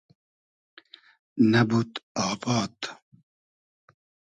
نئبود آباد